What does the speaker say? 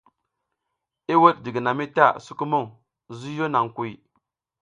I wuɗ jiginami ta sukumuŋ, zuyo naŋ kuy.